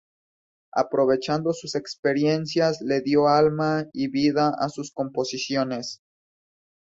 Aprovechando sus experiencias, le dio alma y vida a sus composiciones.